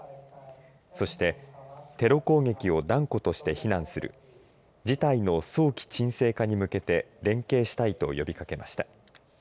そして、テロ攻撃を断固として非難する事態の早期鎮静化に向けて連携したいと呼びかけました。